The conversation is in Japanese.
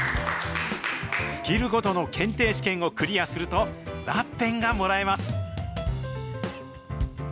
スキルごとの検定試験をクリアすると、ワッペンがもらえます。